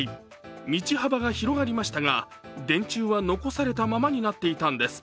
道幅が広がりましたが、電柱は残されたままになっていたんです。